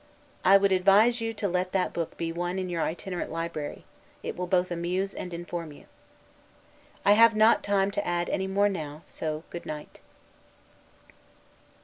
I would advise you to let that book be one in your itinerant library; it will both amuse and inform you. I have not time to add any more now; so good night.